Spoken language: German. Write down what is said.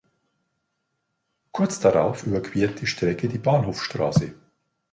Kurz darauf überquert die Strecke die Bahnhofsstraße.